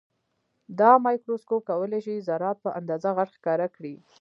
دا مایکروسکوپ کولای شي ذرات په اندازه غټ ښکاره کړي.